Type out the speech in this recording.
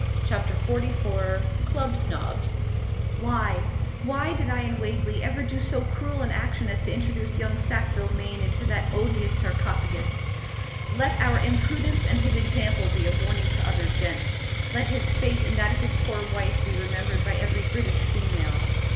CHAPTER XLIV CLUB SNOBS Why Why did I and Wagley ever do so cruel an action as to introduce young Sackville Maine into that odious 'Sarcophagus'? Let our imprudence and his example be a warning to other gents; let his fate and that of his poor wife be remembered by every British female.